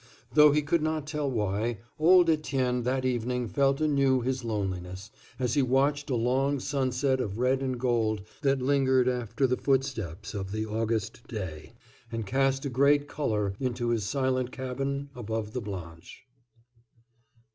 Though he could not tell why, old Etienne that evening felt anew his loneliness, as he watched a long sunset of red and gold that lingered after the footsteps of the August day, and cast a great color into his silent cabin above the Blanche.